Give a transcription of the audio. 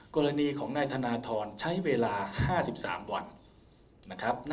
กรณีของนายธนทรใช้เวลา๕๓วัน